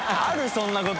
そんなこと。